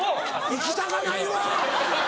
行きたかないわ！